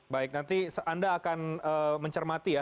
baik nanti anda akan mencermati ya